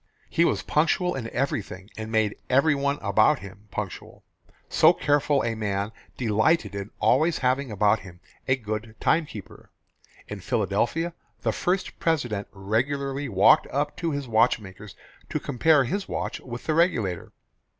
He was punctual in everything and made everyone about him punctual. So careful a man delighted in always having about him a good timekeeper. In Philadelphia, the first President regularly walked up to his watchmaker's to compare his watch with the regulator.